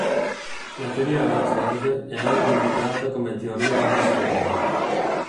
La teoria Iceberg è anche indicata come "teoria di omissione".